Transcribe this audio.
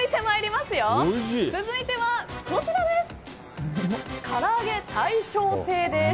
続いてはこちらです。